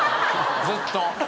ずっと。